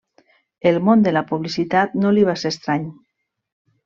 El món de la publicitat no li va ser estrany.